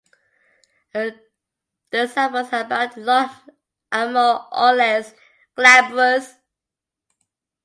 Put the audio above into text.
The sepals are about long and more or less glabrous.